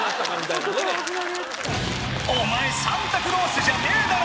お前サンタクロースじゃねえだろ！